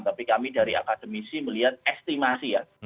tapi kami dari akademisi melihat estimasi ya